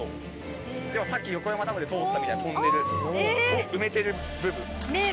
さっき横山ダムで通ったみたいなトンネルを埋めてる部分。